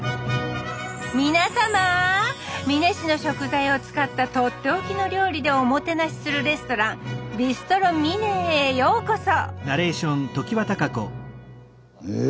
みなさま美祢市の食材を使った取って置きの料理でおもてなしするレストラン「ビストロ・ミネ」へようこそえ